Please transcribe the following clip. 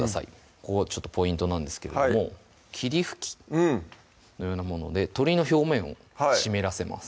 ここがポイントなんですけれども霧吹きのようなもので鶏の表面を湿らせます